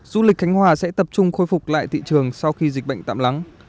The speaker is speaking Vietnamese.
du lịch khánh hòa sẽ tập trung khôi phục lại thị trường sau khi dịch bệnh tạm lắng